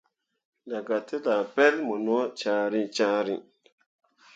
Daga te nah pel mu no cyãhrii cyãhrii.